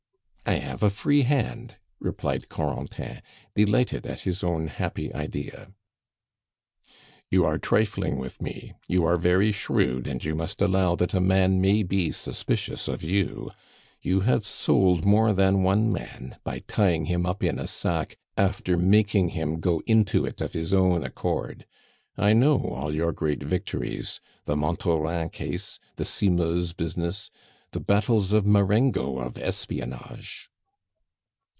"I have a free hand," replied Corentin, delighted at his own happy idea. "You are trifling with me; you are very shrewd, and you must allow that a man may be suspicious of you. You have sold more than one man by tying him up in a sack after making him go into it of his own accord. I know all your great victories the Montauran case, the Simeuse business the battles of Marengo of espionage."